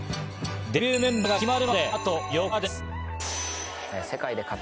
デビューメンバーが決まるまであと４日です。